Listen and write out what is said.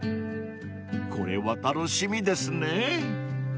［これは楽しみですね］